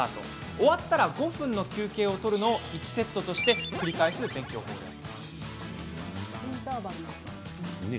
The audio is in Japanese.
終わったら５分の休憩を取るのを１セットとして繰り返す勉強方法です。